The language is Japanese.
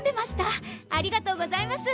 ありがとうございます。